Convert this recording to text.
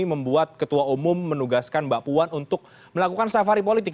membuat ketua umum menugaskan mbak puan untuk melakukan safari politik